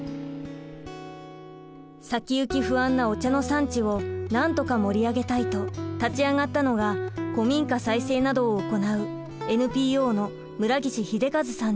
先行き不安なお茶の産地をなんとか盛り上げたいと立ち上がったのが古民家再生などを行うＮＰＯの村岸秀和さんです。